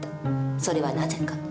それはなぜか。